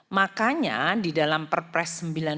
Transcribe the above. makanya di dalam perpres sembilan puluh delapan